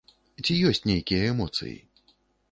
Ці ёсць нейкія эмоцыі?